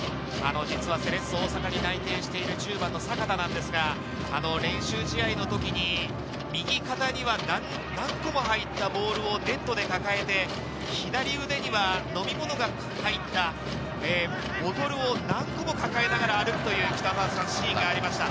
セレッソ大阪に内定してる１０番の阪田なんですが、練習試合の時に右肩には何個も入ったボールをネットで抱えて、左腕には飲み物が入ったボトルを何個も抱えながら歩くというシーンがありました。